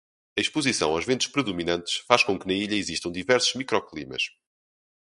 A exposição aos ventos predominantes, faz com que na ilha existam diversos micro-climas.